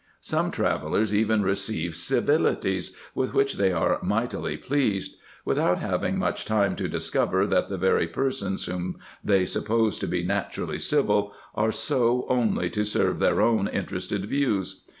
Some travellers even receive civilities, with which they are mightily pleased ; without having time to discover, that the very persons, whom they suppose to be naturally civil, are so only to serve their own interested views.